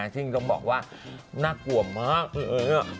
ซึ่งต้องบอกว่าน่ากลัวมาก